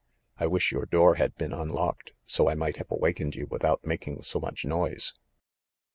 I wish your door had been unlocked, so I might have awakened you without making so much noise."